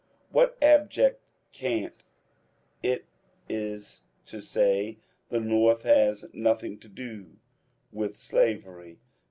What abject cant it is to say, Thfe North has nothing to do with slavery.